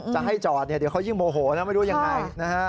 จะให้จอดเดี๋ยวเขายิ่งโมโหนะไม่รู้ยังไงนะฮะ